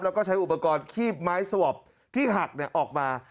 แล้วก็ใช้อุปกรณ์คีบไม้สวอปที่หักออกมา